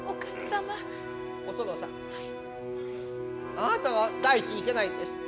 あなたが第一にいけないんです。